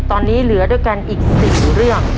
ตอนนี้เหลือด้วยกันอีก๔เรื่อง